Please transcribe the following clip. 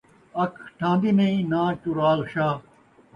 اَکھ ٹھاہن٘دی نئیں ناں چراغ شاہ